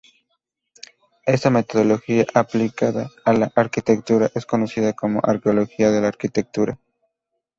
Esta metodología aplicada a la arquitectura es conocida como: Arqueología de la Arquitectura.